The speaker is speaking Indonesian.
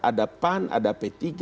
ada pan ada p tiga